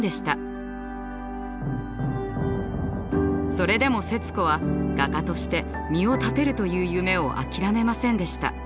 それでも節子は画家として身を立てるという夢を諦めませんでした。